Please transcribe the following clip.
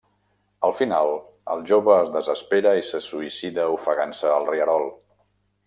Al final, el jove es desespera i se suïcida ofegant-se al rierol.